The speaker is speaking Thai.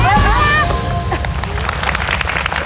ไม่ออกไปเลย